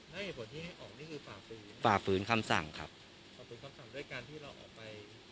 แล้วเหตุผลที่ให้ออกนี่คือฝ่าฝืนฝ่าฝืนคำสั่งครับขอบคุณคำสั่งด้วยการที่เราออกไป